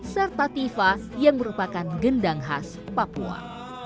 dan latifa yang merupakan gendang khas papua